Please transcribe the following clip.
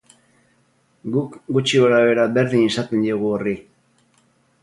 Guk gutxi gorabehera berdin esaten diogu horri.